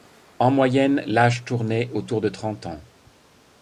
En moyenne, l'âge tournait autour de trente ans.